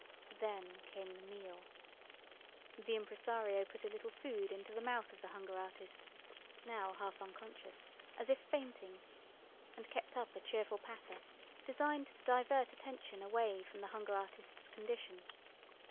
Then came the meal. The impresario put a little food into mouth of the hunger artist, now half unconscious, as if fainting, and kept up a cheerful patter designed to divert attention away from the hunger artist's condition.